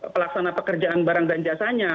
pelaksana pekerjaan barang dan jasanya